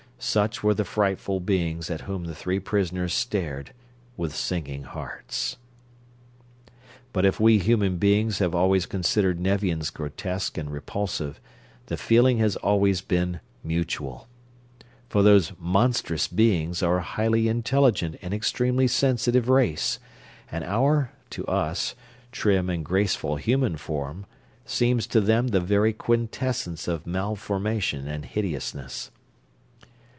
Such were the frightful beings at whom the three prisoners stared with sinking hearts. But if we human beings have always considered Nevians grotesque and repulsive, the feeling has always been mutual. For those "monstrous" beings are a highly intelligent and extremely sensitive race, and our to us trim and graceful human forms seems to them the very quintessence of malformation and hideousness.